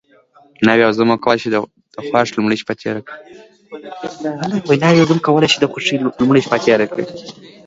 ناوې او زوم وکولی شي د خوښۍ لومړۍ شپه تېره کړي.